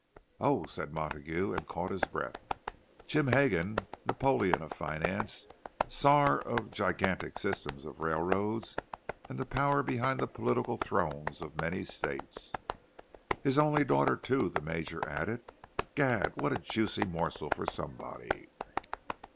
"Oh!" said Montague, and caught his breath. Jim Hegan—Napoleon of finance—czar of a gigantic system of railroads, and the power behind the political thrones of many states. "His only daughter, too," the Major added. "Gad, what a juicy morsel for somebody!"